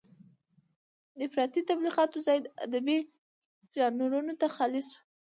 د افراطي تبليغاتو ځای ادبي ژانرونو ته خالي شو.